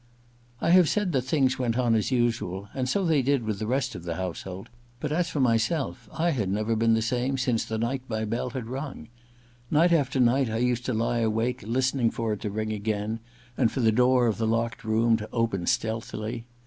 I have said that things went on as usual ; 146 I ♦ IV THE LADY'S MAID'S BELL 147 and so they did with the rest of the household ; but as for myself, I had never been the same since the night my bell had rung. Night after night I used to lie awake, listening ror it to ring again, and for the door of the locked room to open stealthily.